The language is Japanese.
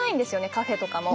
カフェとかも。